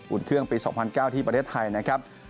เครื่องปี๒๐๐๙ที่ประเทศไทยนะครับ